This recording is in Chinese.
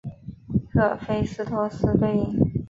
赫菲斯托斯对应。